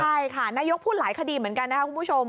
ใช่ค่ะนายกพูดหลายคดีเหมือนกันนะครับคุณผู้ชม